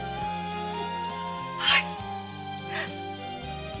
はい。